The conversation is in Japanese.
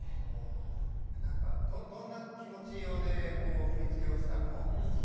どんな気持ちで振り付けをしたの？